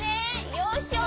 よいしょ。